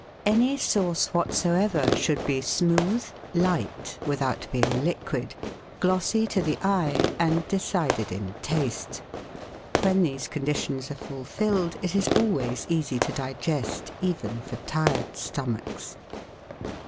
Any sauce whatsoever should be smooth, light (without 1 6 GUIDE TO MODERN COOKERY being liquid), glossy to the eye, and decided in taste. When these conditions are fulfilled it is always easy to digest even for tired stomachs.